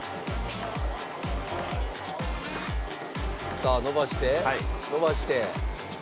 さあ延ばして延ばして。